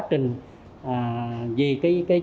bởi tướng công an trên kênh khcap